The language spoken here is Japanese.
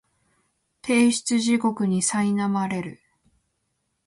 提出地獄にさいなまれる